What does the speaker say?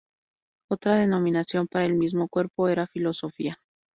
Otra denominación para el mismo cuerpo era Filosofía.